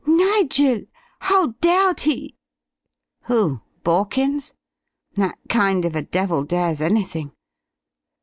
"Nigel! How dared he?" "Who? Borkins? That kind of a devil dares anything....